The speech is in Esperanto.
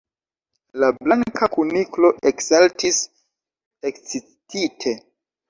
La Blanka Kuniklo eksaltis ekscitite.